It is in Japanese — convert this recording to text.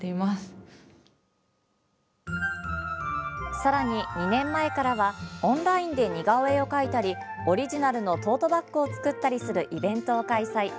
さらに、２年前からはオンラインで似顔絵を描いたりオリジナルのトートバックを作ったりするイベントを開催。